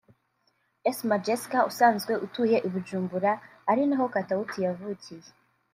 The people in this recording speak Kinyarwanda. Asma Jesca usanzwe atuye i Bujumbura ari naho Katauti yavukiye